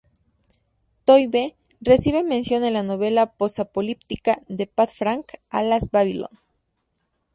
Toynbee recibe mención en la novela post-apocalíptica de Pat Frank, ""Alas, Babylon"".